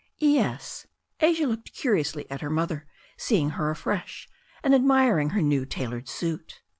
"Yes," Asia looked curiously at her mother, seeing her afresh, and admiring her new tailored suit.